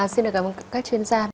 xin cảm ơn các chuyên gia